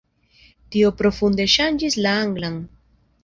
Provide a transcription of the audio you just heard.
Tio profunde ŝanĝis la anglan.